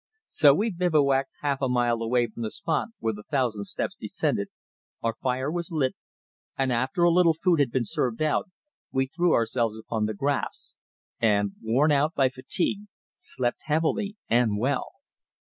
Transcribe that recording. So we bivouacked half a mile away from the spot where the Thousand Steps descended, our fire was lit, and after a little food had been served out, we threw ourselves upon the grass, and, worn out by fatigue, slept heavily and well.